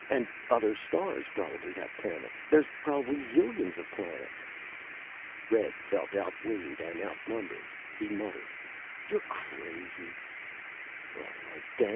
And other stars probably have planets. There's probably zillions of planets." Red felt outweighed and outnumbered. He muttered, "You're crazy!" "All right, then.